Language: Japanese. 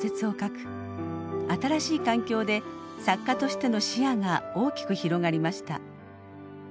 新しい環境で作家としての視野が大きく広がりました。